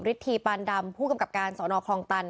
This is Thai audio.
ทีปานดำผู้กำกับการสอนอคลองตัน